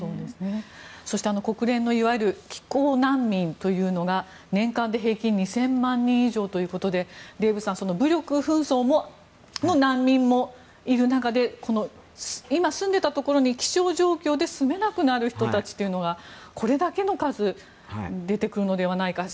そして国連の気候難民というのが年間で平均２０００万人以上ということでデーブさん武力紛争の難民もいる中で今、住んでいたところに気象状況で住めなくなる人たちというのがこれだけの数出てくるのではないかと。